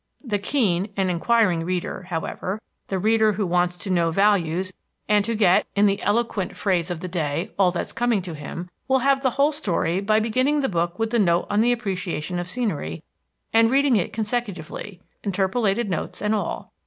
The keen inquiring reader, however, the reader who wants to know values and to get, in the eloquent phrase of the day, all that's coming to him, will have the whole story by beginning the book with the note on the Appreciation of Scenery, and reading it consecutively, interpolated notes and all.